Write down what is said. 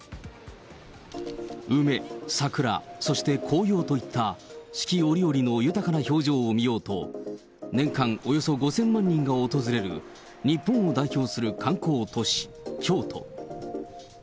梅、桜、そして紅葉といった、四季折々の豊かな表情を見ようと、年間およそ５０００万人が訪れる、日本を代表する観光都市、京都。